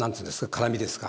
辛みですか？